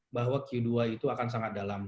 bahwa q dua itu akan sangat dalam